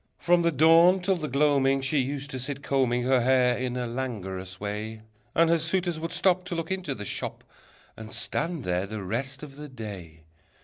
From the dawn till the gloaming She used to sit combing Her hair in a languorous way. And her suitors would stop To look into the shop, And stand there the rest of the day.